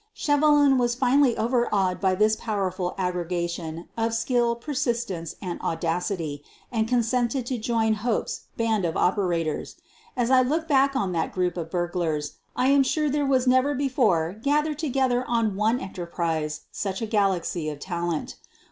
Shevelin was finally overawed by this powerful aggregation of skill, persistence, and audacity, and consented to join Hope's band of operators. As I look back over that group of burglars, I am sure there was never before gathered together on one enterprise such a galaxy of talent.